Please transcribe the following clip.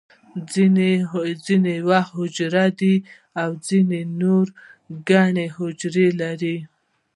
نه ځینې یو حجروي دي او ځینې نور ګڼ حجروي دي